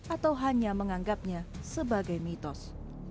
atau hanya menganggapnya sebagai mitos